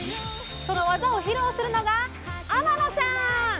そのワザを披露するのが天野さん！